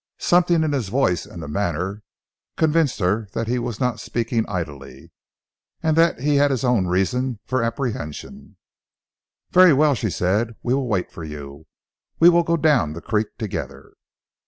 Something in his voice and manner convinced her that he was not speaking idly, and that he had his own reasons for apprehension. "Very well," she said, "we will wait for you. We will go down the creek together."